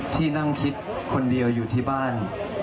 ที่นั่งคิดคนเดียวอยู่ที่บ้าน